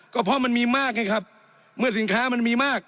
ก็เพราะมันมีมากไงครับเมื่อสินค้ามันมีมาก